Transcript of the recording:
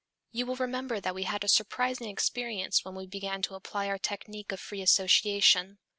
You will remember that we had a surprising experience when we began to apply our technique of free association.